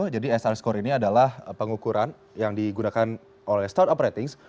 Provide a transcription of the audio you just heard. jadi sr score ini adalah pengukuran yang digunakan oleh startup ratings